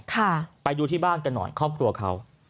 ไปดูที่บ้านกันหน่อยครอบครัวเขา